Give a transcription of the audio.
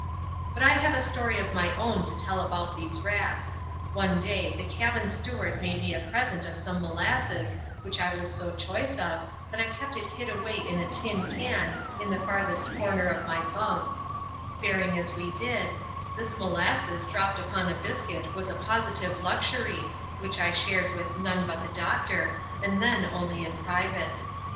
But I have a story of my own to tell about these rats. One day the cabin steward made me a present of Bome mQlafia«&^ which I was ao choice of, that I kept it hid «w«y Vtl ^ >isL ^»so3i 4 ^ A M ADVENTURES IN THE SOUTH SEAS. [chap. j. the farthest corner of my bunk. Faring as we did, this mo lasses dropped upon a biscuit was a positive luxury^ which I shared with none but the doctcMr, and then onlj in private.